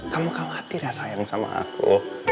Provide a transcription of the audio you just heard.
kamu khawatir ya sayang sama aku